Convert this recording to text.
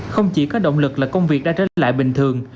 không chỉ có động lực là công việc đã trở lại bình thường